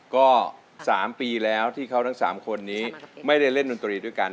ก็๓ปีแล้วที่เขาทั้ง๓คนนี้ไม่ได้เล่นดนตรีด้วยกัน